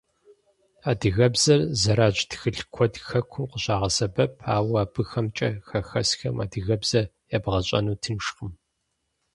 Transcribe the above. Адыгэбзэр зэрадж тхылъ куэд хэкум къыщагъэсэбэп, ауэ абыхэмкӀэ хэхэсхэм адыгэбзэр ебгъэщӀэну тыншкъым.